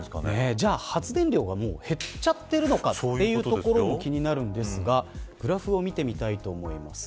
じゃあ発電量が減っちゃってるのかというところなんですがグラフを見てみたいと思います。